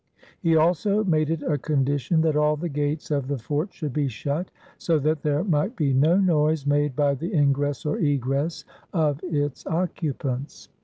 He also made it a condition that all the gates of the fort should be shut, so that there might be no noise made by the ingress or egress of its occupants.